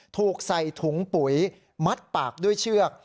ถูกใส่ถุงปุ๋ยมัดปากด้วยเชือก